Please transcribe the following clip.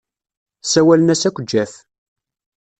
Ssawalen-as akk Jeff.